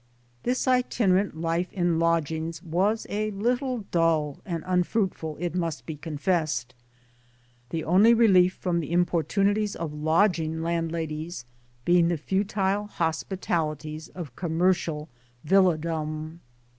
This itinerant life in lodgings was a little dull and unfruitful it must be confessed' ; the only relief from the importunities of lodging landladies being the futile hospitalities of commercial villa dom.